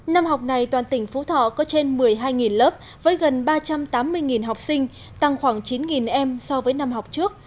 năm học này toàn tỉnh phú thọ có trên một mươi hai lớp với gần ba trăm tám mươi học sinh tăng khoảng chín em so với năm học trước